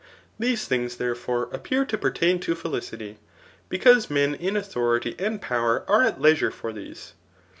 These things, therefore^ appear to pertain to felicity, because men in authority and' power are at leisure for these.